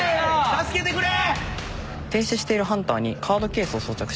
助けてくれ！